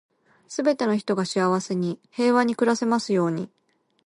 全ての人が幸せに、平和に暮らせますように。